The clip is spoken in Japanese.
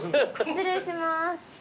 失礼します。